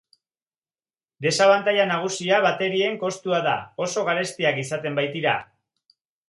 Desabantaila nagusia baterien kostua da, oso garestiak izaten baitira.